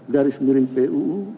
garis miring puu